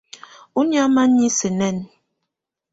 Ɔ́ nɛ̀ámɛ̀á niisǝ́ nɛ́ɛnɛ.